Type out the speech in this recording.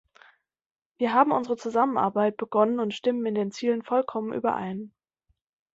Wir haben unsere Zusammenarbeit begonnen und stimmen in den Zielen vollkommen überein.